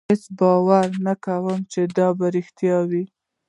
هېڅ باور یې نه کاوه چې دا به رښتیا وي.